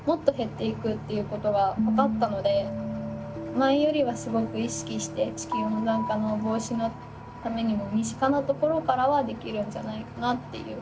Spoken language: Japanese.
前よりはすごく意識して地球温暖化の防止のためにも身近なところからはできるんじゃないかなっていうふうに思いました。